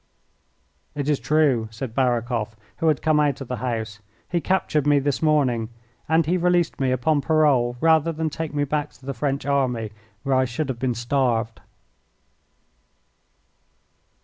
"It is true," said Barakoff, who had come out of the house. "He captured me this morning, and he released me upon parole rather than take me back to the French army, where I should have been starved."